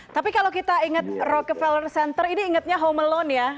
tapi kalau kita ingat rockefeller center ini ingatnya home alone ya